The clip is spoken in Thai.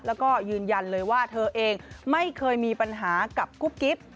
แล้วก็ยืนยันเลยว่าเธอเองไม่เคยมีปัญหากับกุ๊บกิ๊บ